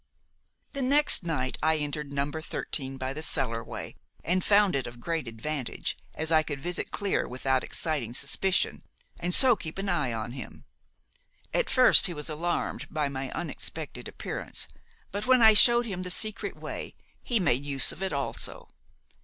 "The next night I entered No. 13 by the cellarway, and found it of great advantage, as I could visit Clear without exciting suspicion, and so keep an eye on him. At first he was alarmed by my unexpected appearance, but when I showed him the secret way, he made use of it also.